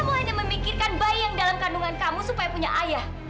kamu hanya memikirkan bayi yang dalam kandungan kamu supaya punya ayah